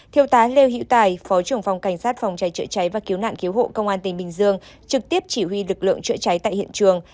thiêu tá lêu hữu tài phó trưởng phòng cảnh sát phòng cháy trợ cháy và cứu nạn cứu hộ công an tỉnh bình dương trực tiếp chỉ huy lực lượng trợ cháy tại hiện trường